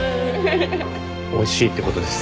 おいしいってことです。